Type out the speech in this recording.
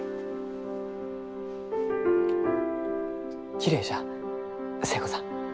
きれいじゃ寿恵子さん。